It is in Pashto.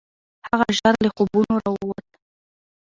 هغه ژر له خوبونو راووت.